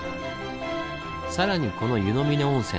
さらにこの湯の峰温泉